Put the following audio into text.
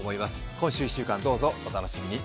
今週１週間、どうぞお楽しみに。